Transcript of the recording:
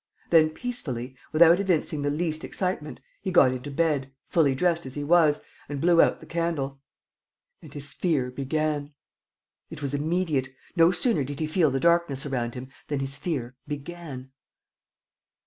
Then, peacefully, without evincing the least excitement, he got into bed, fully dressed as he was, and blew out the candle. And his fear began. It was immediate. No sooner did he feel the darkness around him than his fear began!